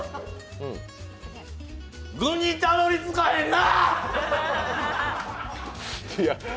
具にたどりつかへんな！